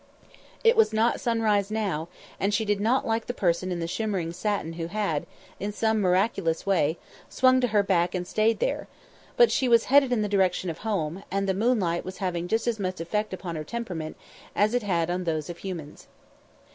It was not sunrise now, and she did not like the person in the shimmering satin who had, in some miraculous way, swung to her back and stayed there; but she was headed in the direction of home, and the moonlight was having just as much effect upon her temperament as it has on that of humans.